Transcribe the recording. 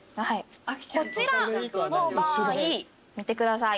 こちらの場合見てください。